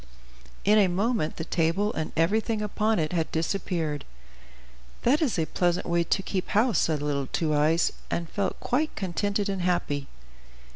In a moment, the table and everything upon it had disappeared. "That is a pleasant way to keep house," said little Two Eyes, and felt quite contented and happy.